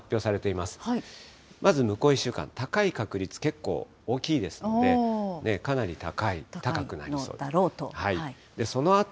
まず向こう１週間、高い確率、結構大きいですので、かなり高い、高いのだろうと。